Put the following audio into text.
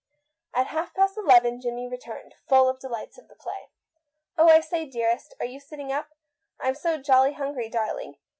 At half past eleven Jimmie returned, full of the delights of the play. "Oh, I say, dearest, are you sitting up? I'm so jolly hungry, darling